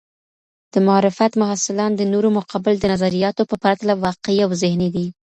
د معرفت محصلان د نورو مقابل د نظریاتو په پرتله واقعي او ذهني وي.